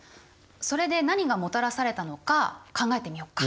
それで何がもたらされたのか考えてみよっか。